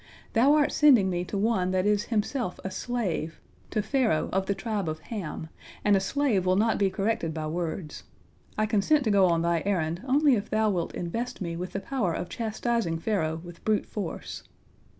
Thou art sending me to one that is himself a slave, to Pharaoh of the tribe of Ham, and a slave will not be corrected by words. I consent to go on Thy errand only if Thou wilt invest me with the power of chastising Pharaoh with brute force."